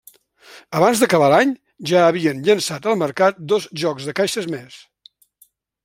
Abans d’acabar l’any, ja havien llençat al mercat dos jocs de caixes més.